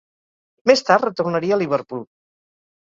Més tard retornaria a Liverpool.